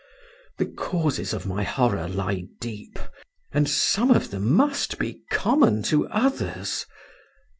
The causes of my horror lie deep, and some of them must be common to others.